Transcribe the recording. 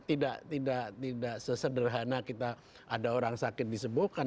itu tidak sesederhana kita ada orang sakit disebuhkan